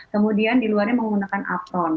kemudian di luarnya menggunakan apron